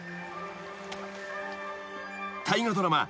［大河ドラマ